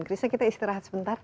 chris ya kita istirahat sebentar